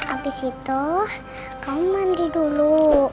abis itu kamu mandi dulu